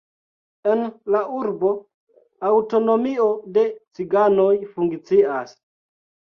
En la urbo aŭtonomio de ciganoj funkcias.